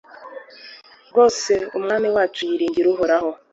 rwose, umwami wacu yiringiye uhoraho